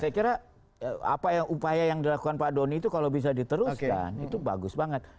saya kira apa upaya yang dilakukan pak doni itu kalau bisa diteruskan itu bagus banget